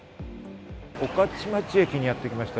御徒町駅にやってきました。